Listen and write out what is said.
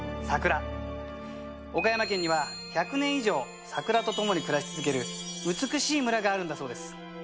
岡山県には１００年以上桜と共に暮らし続ける美しい村があるんだそうです